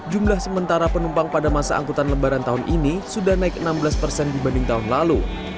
jumlah sementara penumpang pada masa angkutan lebaran tahun ini sudah naik enam belas persen dibanding tahun lalu